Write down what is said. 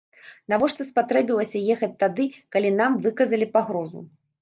Навошта спатрэбілася ехаць тады, калі нам выказалі пагрозу?